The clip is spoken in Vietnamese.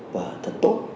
và thật tốt